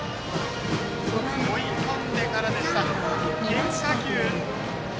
追い込んでからの変化球。